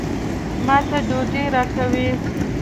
ما ته ډوډۍ راکوي.